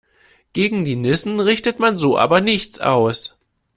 Gegen die Nissen richtet man so aber nichts aus.